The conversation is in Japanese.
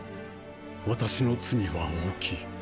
私の罪は大きい。